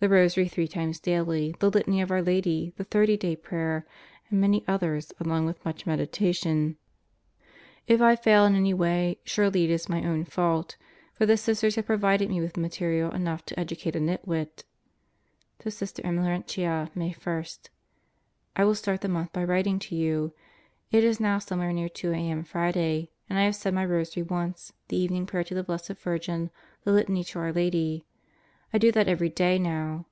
The rosary three times daily, the Litany of Our Lady, the 30 day prayer, and many others along with much meditation* If I fail in any way, surely it is my own fault; for the Solitary Confinement 59 Sisters have provided me with material enough to educate a nitwit. To Sister M. Laurentia, May 1: 1 will start the month by writing to you. It is now somewhere near 2 a.m. Friday, and I have said my rosary once, the evening prayer to the Blessed Virgin, the Litany to Our Lady. I do that every day now.